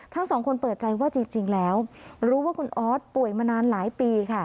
ทั้งสองคนเปิดใจว่าจริงแล้วรู้ว่าคุณออสป่วยมานานหลายปีค่ะ